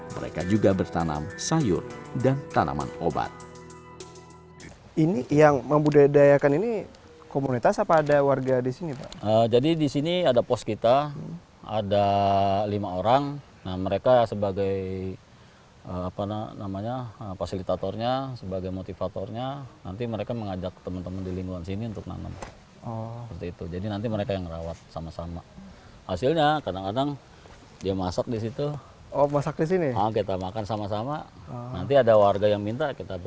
mereka juga bertanam sayur dan tanaman obat